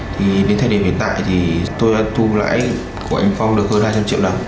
thì đến thời điểm hiện tại thì tôi đã thu lãi của anh phong được hơn hai trăm linh triệu đồng